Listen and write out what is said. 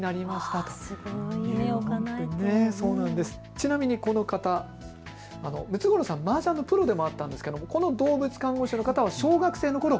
ちなみにこの方、ムツゴロウさん、マージャンのプロでもあったんですけれども動物看護師の方は小学生のころ